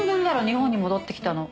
日本に戻ってきたの。